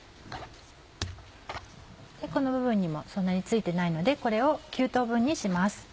この部分にもそんなに付いてないのでこれを９等分にします。